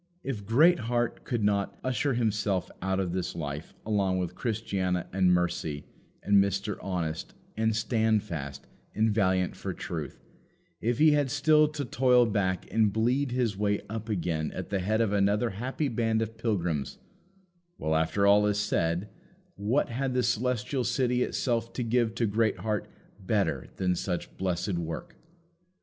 If Greatheart could not "usher himself out of this life" along with Christiana, and Mercy, and Mr. Honest, and Standfast, and Valiant for truth if he had still to toil back and bleed his way up again at the head of another happy band of pilgrims well, after all is said, what had the Celestial City itself to give to Greatheart better than such blessed work?